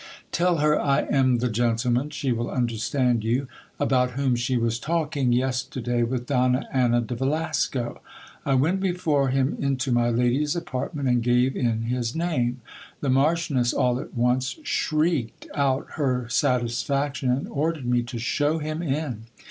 Tell her I am the gentleman ; she will understand you ; about whom she was talking yesterday with Donna Anna de Velasco. I went before him into my lady's apartment, and gave in his name. The marchioness all at once shrieked out her satisfaction, and ordered me to show him in.